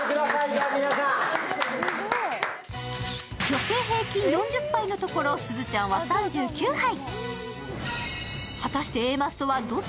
女性平均４０杯のところすずちゃんは３９杯。